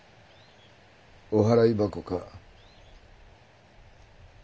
お払い箱か？